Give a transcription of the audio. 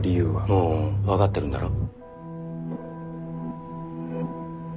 もう分かってるんだろ？